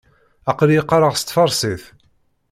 Aql-iyi qqareɣ s tfarsit.